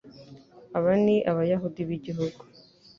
Aba ni Abayahudi b'igihugu